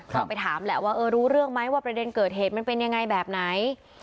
ก็ไปถามแหละว่าเออรู้เรื่องไหมว่าประเด็นเกิดเหตุมันเป็นยังไงแบบไหน